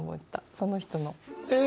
その人の。え！